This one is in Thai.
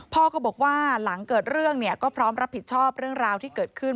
พ่อก็บอกว่าหลังเกิดเรื่องเนี่ยก็พร้อมรับผิดชอบเรื่องราวที่เกิดขึ้น